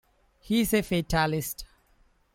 He's a fatalist.